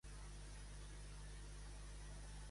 Un cafè americà, m'ho podries fer?